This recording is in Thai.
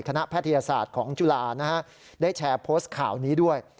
แพทยศาสตร์ของจุฬาได้แชร์โพสต์ข่าวนี้ด้วย